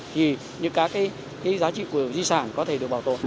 thì những cái giá trị của di sản có thể được bảo tồn